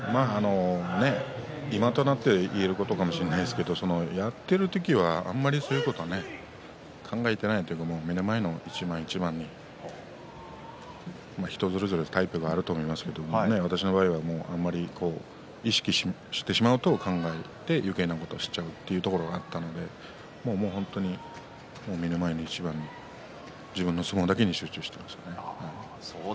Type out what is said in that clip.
今となって言えることかもしれないですけれどやっている時は、あまりそういうことは考えていないというか目の前の一番一番に人それぞれタイプがあると思いますけれど私の場合はあまり意識してしまうと考えてよけいなことをしちゃうというところがあったので本当に目の前の一番に自分の相撲だけに集中していましたね。